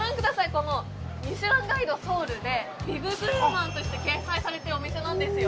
この「ミシュランガイドソウル」でビブグルマンとして掲載されてるお店なんですよ